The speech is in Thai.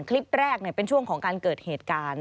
คลิปแรกเป็นช่วงของการเกิดเหตุการณ์